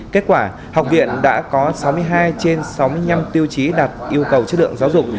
kết quả học viện đã có sáu mươi hai trên sáu mươi năm tiêu chí đạt yêu cầu chất lượng giáo dục